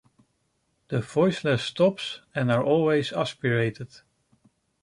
The voiceless stops and are always aspirated.